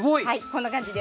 こんな感じで。